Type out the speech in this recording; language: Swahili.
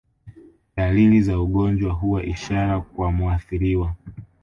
Dalili za ugonjwa huwa ishara kwa muathiriwa